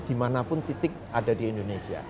dimanapun titik ada di indonesia